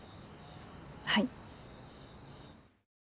はい。